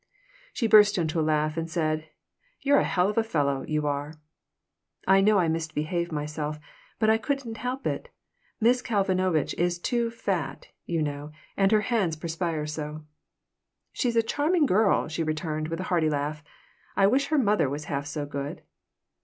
She burst into a laugh, and said, "You're a hell of a fellow, you are." "I know I misbehaved myself, but I couldn't help it. Miss Kalmanovitch is too fat, you know, and her hands perspire so." "She's a charmin' girl," she returned, with a hearty laugh. "I wish her mother was half so good."